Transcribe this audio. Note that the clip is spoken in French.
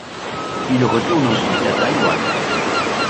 Il retourne ensuite à Taïwan.